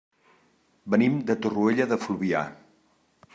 Venim de Torroella de Fluvià.